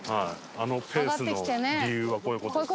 あのペースの理由はこういう事です。